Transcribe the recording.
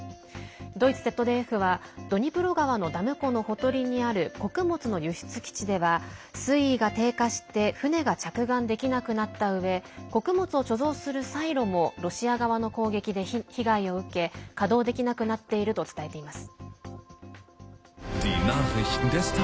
ドイツＺＤＦは、ドニプロ川のダム湖のほとりにある穀物の輸出基地では水位が低下して船が着岸できなくなったうえ穀物を貯蔵するサイロもロシア側の攻撃で被害を受け稼働できなくなっていると伝えています。